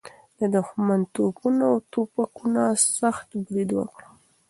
د دښمن توپونه او توپکونه سخت برید وکړ.